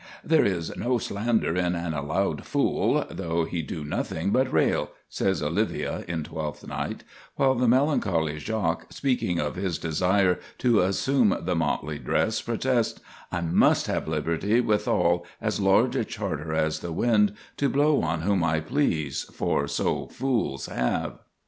"There is no slander in an allowed fool, though he do nothing but rail," says Olivia in "Twelfth Night"; while the melancholy Jaques, speaking of his desire to assume the motley dress, protests:— "I must have liberty Withal, as large a charter as the wind, To blow on whom I please; for so fools have."